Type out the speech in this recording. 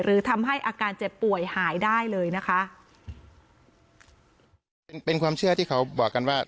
หรือทำให้อาการเจ็บป่วยหายได้เลยนะคะเป็นเป็นความเชื่อที่เขาบอกกันว่า